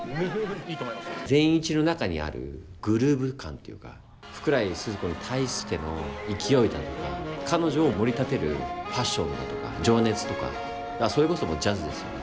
善一の中にあるグルーヴ感というか福来スズ子に対しての勢いだとか彼女をもり立てるパッションだとか情熱とかそれこそジャズですよね